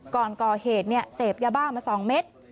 ก่อนก่อเหตุเสพยาบ้ามา๒เม็ด